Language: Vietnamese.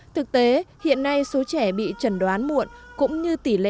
thực tế hiện nay số trẻ bị trần đoán muộn